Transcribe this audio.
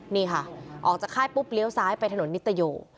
นี่ค่ะออกจากค่ายปุ๊บเลี้ยวซ้ายไปถนนนิตโย